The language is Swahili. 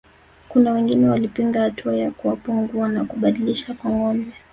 Kuna wengine walipinga hatua ya kuwapa nguo na kubadilishana kwa ngombe